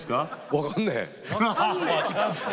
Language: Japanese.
分かんねえ。